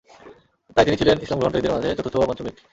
তাই তিনি ছিলেন ইসলাম গ্রহণকারীদের মাঝে চতুর্থ বা পঞ্চম ব্যক্তি।